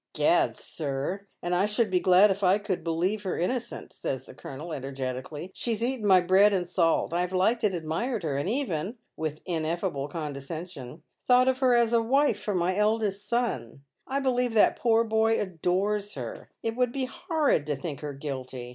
" Gad, sir, and I should be glad if I could believe her inno cent," says the colonel, energetically, " She has eaten my bread andsalt ; I have liked and admired her ; and even "— with in effable condescension — "thought of her as a wife for my eldest eon. I believe that poor boy adores her. It would be horrid to think her guilty.